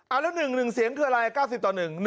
แล้ว๑๑เสียงคืออะไร๙๐ต่อ๑๑